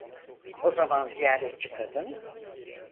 O zaman ziyaretçi kadın: